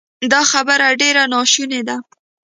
دا خبره ډېره ناشونې ده